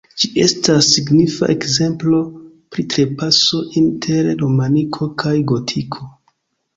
Ĝi estas signifa ekzemplo pri trapaso inter romaniko kaj gotiko.